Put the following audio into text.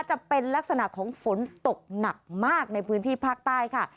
จะเป็นลักษณะของฝนตกหนักมากในพื้นที่ภาคใต้ค่ะ